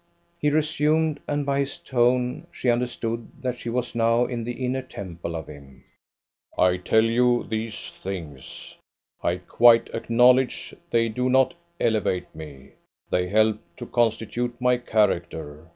He resumed, and by his tone she understood that she was now in the inner temple of him: "I tell you these things; I quite acknowledge they do not elevate me. They help to constitute my character.